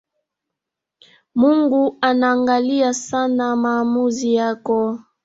Mungu anaangalia sana maamuzi yako.